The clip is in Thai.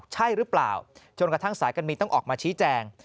ใช่หรือเปล่าจนกระทั่งสายการบินต้องออกมาชี้แจง